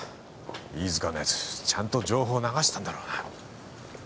飯塚の奴ちゃんと情報流したんだろうな？